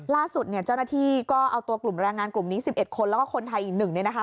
ล่าสุดเจ้าหน้าที่ก็เอาตัวกลุ่มแรงงานกลุ่มนี้๑๑คนแล้วก็คนไทยอีก๑